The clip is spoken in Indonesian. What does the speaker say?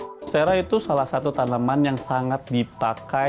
sera itu salah satu tanaman yang sangat dipakai